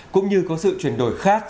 cũng như có sự chuyển đổi khác